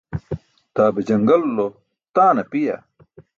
Daa be jaṅgalanulo taan apiya?